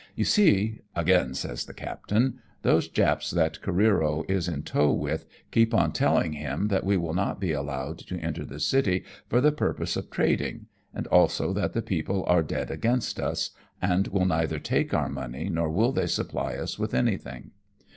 " You see," again says the captain, " those Japs that Careero is in tow with keep on telling him that we will not be allowed to enter the city for the purpose of trading, and also that the people are dead against us, and will neither take our money nor will they supply us with anything.